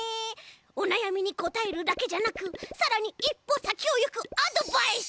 おなやみにこたえるだけじゃなくさらにいっぽさきをいくアドバイス。